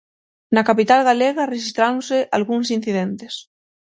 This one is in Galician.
Na capital galega rexistráronse algúns incidentes.